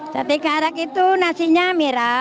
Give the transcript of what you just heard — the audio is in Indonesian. sate karak itu nasinya mira